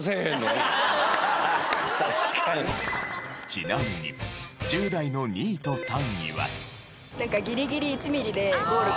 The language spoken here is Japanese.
ちなみに１０代の２位と３位は。